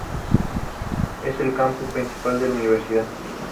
Es el campus principal de la Universidad.